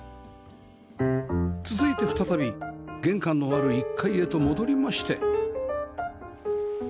続いて再び玄関のある１階へと戻りまして